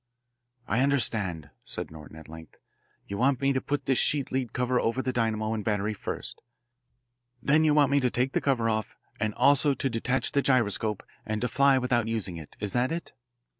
"I understand," said Norton at length, "you want me to put this sheet lead cover over the dynamo and battery first. Then you want me to take the cover off, and also to detach the gyroscope, and to fly without using it. Is that it?"